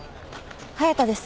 隼田です。